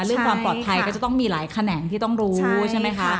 เรื่องความปลอดภัยก็จะต้องมีหลายแขนงที่ต้องรู้ใช่ไหมคะ